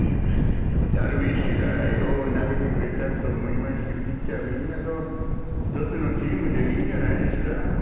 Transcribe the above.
ダルビッシュがよう投げてくれたと思いますよ、ピッチャーみんな、一つのチームでいいんじゃないですか？